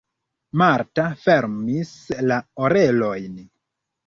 Marta fermis la orelojn.